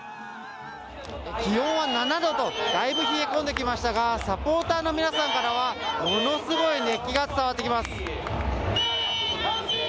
気温は７度と、だいぶ冷え込んできましたが、サポーターの皆さんからはものすごい熱気が伝わってきます。